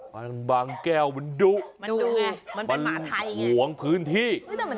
พันธุ์บางแก้วมันดุมันห่วงพื้นที่